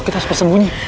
kita harus bersembunyi